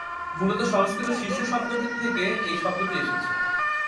মূলত সংস্কৃত "শিষ্য" শব্দ থেকে এই শব্দটি এসেছে।